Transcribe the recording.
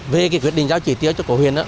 về quyết định giao chỉ tiêu cho cổ huyền